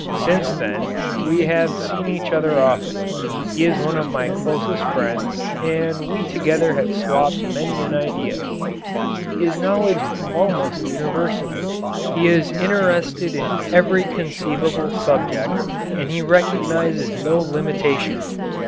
Since then we have seen each other often. He is one of my closest friends, and we together have swapped many an idea. His knowledge is almost universal. He is interested in every conceivable subject and he recognizes no limitations.